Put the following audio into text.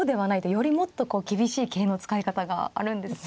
よりもっとこう厳しい桂の使い方があるんですね。